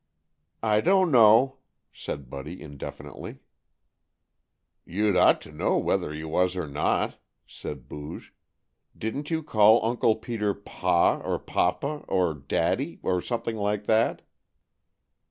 "I don't know," said Buddy indefinitely. "You'd ought to know whether he was or not," said Booge. "Didn't you call Uncle Peter 'pa,' or 'papa' or 'daddy' or something like that?"